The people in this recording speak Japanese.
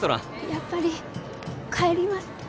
やっぱり帰ります。